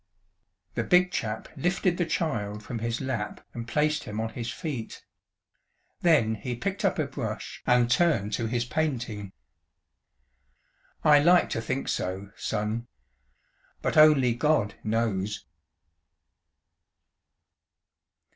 The Big Chap lifted the child from his lap and placed him on his feet. Then he picked up a brush and turned to his painting. "I like to think so, Son. But only God knows."